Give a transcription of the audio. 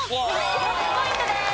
４ポイントです。